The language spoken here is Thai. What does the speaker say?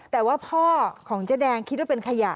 แต่ว่าพ่อของเจ๊แดงคิดว่าเป็นขยะ